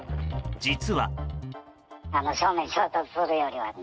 実は。